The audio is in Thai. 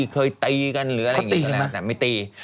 เคยตีกันหรืออะไรอย่างนี้ใช่ไหมแต่ไม่ตี